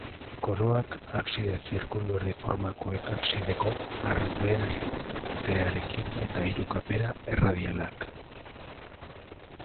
Koroak abside zirkuluerdi formakoak absideko habeartearekin eta hiru kapera erradialak.